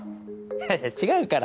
いやいや違うから。